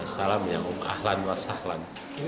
salam yang umahlan wa sahlan